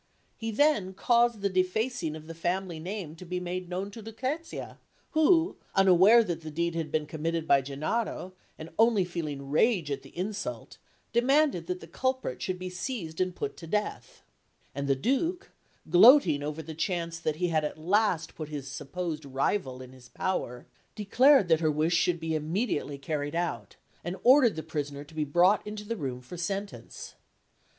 He then caused the defacing of the family name to be made known to Lucrezia, who, unaware that the deed had been committed by Gennaro, and only feeling rage at the insult, demanded that the culprit should be seized and put to death; and the Duke, gloating over the chance that had at last put his supposed rival in his power, declared that her wish should be immediately carried out, and ordered the prisoner to be brought into the room for sentence.